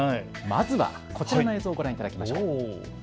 まずはこちらの映像をご覧いただきましょう。